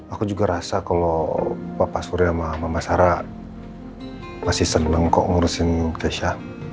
aku juga rasa kalo papa surya sama mama sarah masih seneng kok ngurusin keisha